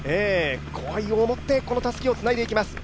後輩を思ってこのたすきをつないでいきます。